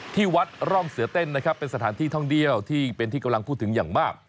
ที่วัดร่องเสือเต้นนะครับเป็นสถานที่ท่องเที่ยวที่เป็นที่กำลังพูดถึงอย่างมาก